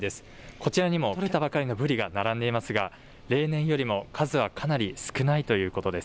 こちらにも取れたばかりのブリが並んでいますが、例年よりも数はかなり少ないということです。